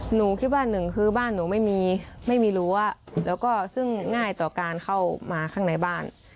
หนูคิดว่าหนึ่งคือบ้านหนูไม่มีไม่มีรั้วแล้วก็ซึ่งง่ายต่อการเข้ามาข้างในบ้าน